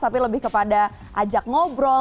tapi lebih kepada ajak ngobrol